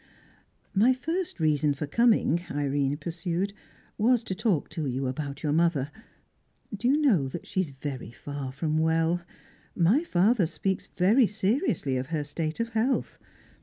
"My first reason for coming," Irene pursued, "was to talk to you about your mother. Do you know that she is very far from well? My father speaks very seriously of her state of health.